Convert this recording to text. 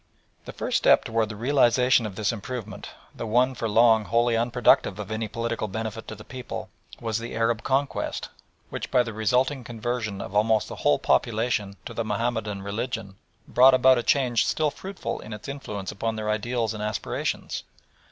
The first step towards the realisation of this improvement, though one for long wholly unproductive of any political benefit to the people, was the Arab conquest, which by the resulting conversion of almost the whole population to the Mahomedan religion, brought about a change still fruitful in its influence upon their ideals and aspirations.